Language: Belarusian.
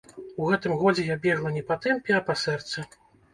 У гэтым годзе я бегла не па тэмпе, а па сэрцы.